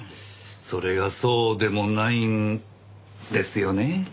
それがそうでもないんですよね。